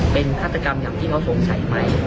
เป็นพัสกรรมหนักที่เขาสงสัยไหม